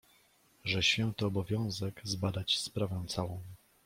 Że święty obowiązek zbadać sprawę całą